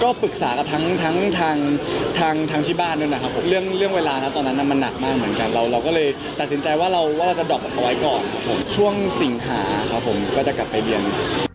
ก็ปรึกษากับทั้งทางที่บ้านด้วยนะครับผมเรื่องเวลานะตอนนั้นมันหนักมากเหมือนกันเราก็เลยตัดสินใจว่าเราว่าสะดอกเอาไว้ก่อนครับผมช่วงสิงหาครับผมก็จะกลับไปเรียน